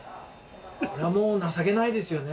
これはもう情けないですよね。